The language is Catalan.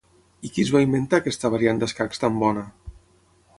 I qui es va inventar aquesta variant d'escacs tan bona?